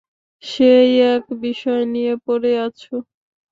সেই এক বিষয় নিয়ে পড়ে আছো!